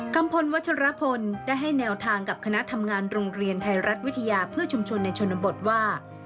ัมพลวัชรพลได้ให้แนวทางกับคณะทำงานโรงเรียนไทยรัฐวิทยาเพื่อชุมชนในชนบทว่า